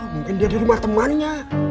mungkin dari rumah temannya